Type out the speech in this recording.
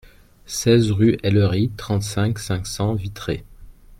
seize rue Hellerie, trente-cinq, cinq cents, Vitré